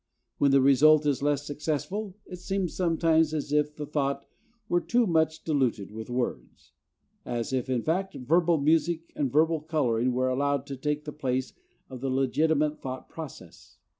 When the result is less successful it seems sometimes as if the thought were too much diluted with words, as if, in fact, verbal music and verbal coloring were allowed to take the place of the legitimate thought process.